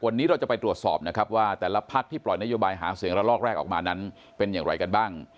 วันนี้เราจะไปตรวจสอบนะครับว่าแต่ละพักที่ปล่อยนโยบายหาเสียงระลอกแรกออกมานั้นเป็นอย่างไรกันบ้าง